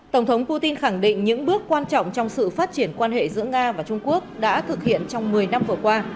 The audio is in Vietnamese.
tổng thống putin khẳng định những bước quan trọng trong sự phát triển quan hệ giữa nga và trung quốc đã thực hiện trong một mươi năm vừa qua